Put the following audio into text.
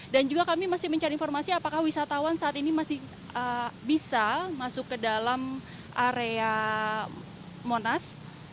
dan juga kami masih mencari informasi apakah wisatawan saat ini masih bisa masuk ke dalam area monas